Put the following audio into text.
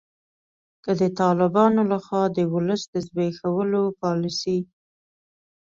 که د طالبانو لخوا د ولس د زبیښولو پالسي